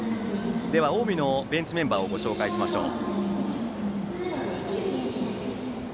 近江のベンチメンバーをご紹介しましょう。